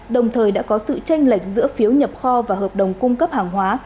đồng thời đã có sự tranh lệch giữa phiếu nhập kho và hợp đồng cung cấp hàng hóa